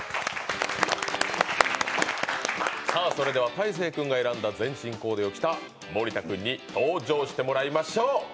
大晴君が選んだ全身コーデを着た森田君に登場してもらいましょう。